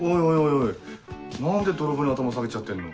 おい何で泥棒に頭下げちゃってんの。